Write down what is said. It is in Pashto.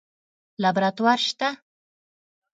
لابراتوار شته؟